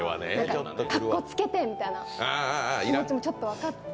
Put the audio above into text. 「かっこつけて」みたいな気持ちもちょっと分かって。